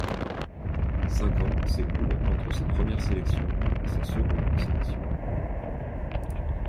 Cinq ans s'écoulent entre sa première sélection et sa seconde sélection.